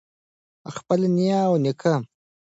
خپل نیا او نیکه